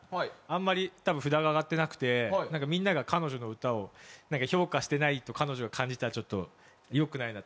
あんまり多分札が上がってなくてみんなが彼女の歌を評価してないと彼女が感じたらちょっと良くないなと思ったので。